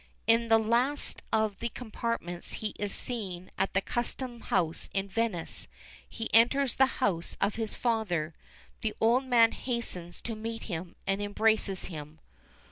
In the last of the compartments he is seen at the custom house at Venice; he enters the house of his father; the old man hastens to meet him, and embraces him.